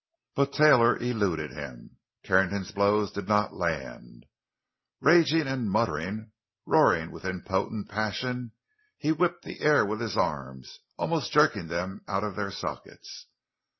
But Taylor eluded him; Carrington's blows did not land. Raging and muttering, roaring with impotent passion, he whipped the air with his arms, almost jerking them out of their sockets.